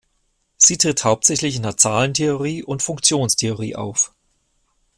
Sie tritt hauptsächlich in der Zahlentheorie und Funktionentheorie auf.